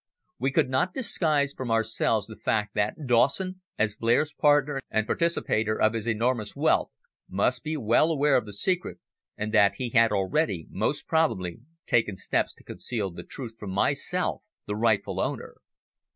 We could not disguise from ourselves the fact that Dawson, as Blair's partner and participator of his enormous wealth, must be well aware of the secret, and that he had already, most probably, taken steps to conceal the truth from myself, the rightful owner.